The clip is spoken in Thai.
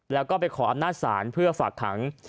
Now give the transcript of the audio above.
แล้วก็ไปขออำนาจศาลเพื่อฝากขัง